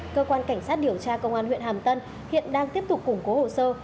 cơ quan cảnh sát điều tra công an huyện hàm tân hiện đang tiếp tục củng cố hồ sơ